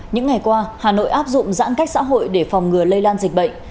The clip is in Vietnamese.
những ngày qua hà nội áp dụng giãn cách xã hội để phòng ngừa lây lan dịch bệnh